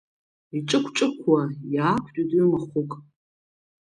Иҿықәҿықәуа иаақәтәеит уи махәык.